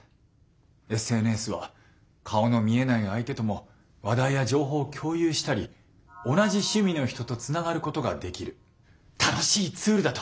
ＳＮＳは顔の見えない相手とも話題や情報を共有したり同じ趣味の人とつながることができる楽しいツールだと私も思います。